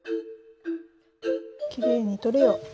きれいに取れよ。